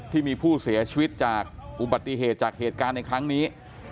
ที่มีผู้เสียชีวิตจากอุบัติเหตุจากเหตุการณ์ในครั้งนี้